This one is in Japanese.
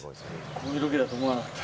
こういうロケだと思わなかった。